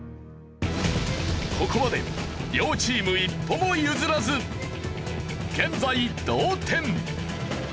ここまで両チーム一歩も譲らず現在同点。